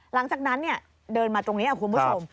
หลังจากนั้นเดินมาตรงนี้คุณผู้ชม